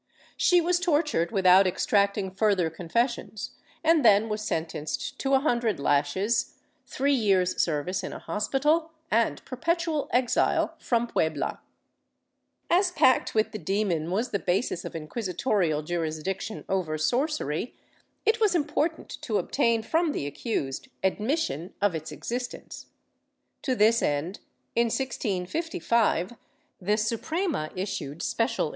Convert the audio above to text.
She was tortured without extracting further confessions and then was sentenced to a hundred lashes, three years' service in a hospital and perpetual exile from Puebla.* As pact with the demon was the basis of inquisitorial jurisdiction over sorcery, it was important to obtain from the accused admission of its existence. To this end, in 1655, the Suprema issued special